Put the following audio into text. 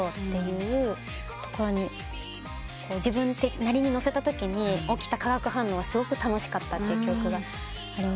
自分なりに乗せたときに起きた化学反応がすごく楽しかったって記憶があります。